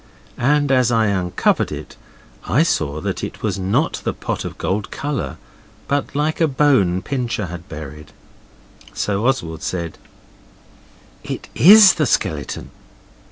And as I uncovered it I saw that it was not at all pot of gold colour, but like a bone Pincher has buried. So Oswald said 'It IS the skeleton.